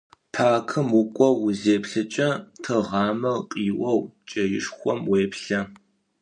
Паркым укӏоу узеплъыкӏэ, тыгъамэр къиоу кӏэишхом уеплъэ.